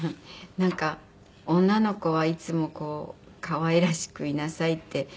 なんか女の子はいつもこう可愛らしくいなさいって。